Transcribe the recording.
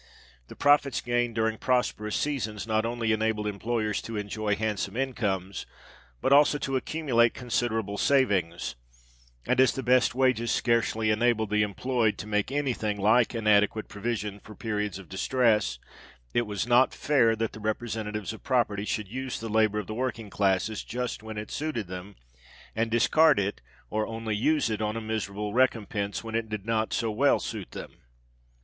The profits gained during prosperous seasons not only enabled employers to enjoy handsome incomes, but also to accumulate considerable savings; and as the best wages scarcely enabled the employed to make any thing like an adequate provision for periods of distress, it was not fair that the representatives of property should use the labour of the working classes just when it suited them, and discard it or only use it on a miserable recompense when it did not so well suit them.